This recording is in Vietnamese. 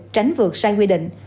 tránh vượt sai quy định